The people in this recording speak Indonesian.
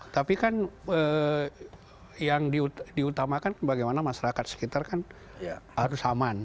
tapi kan yang diutamakan kan bagaimana masyarakat sekitar kan harus aman